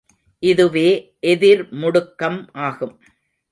இதுவே எதிர்முடுக்கம் ஆகும்.